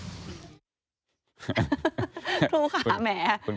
ครูขาแหม